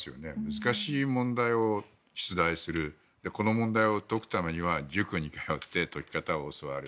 難しい問題を出題するこの問題を解くためには塾に通って解き方を教わる。